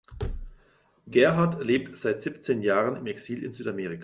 Gerhard lebt seit siebzehn Jahren im Exil in Südamerika.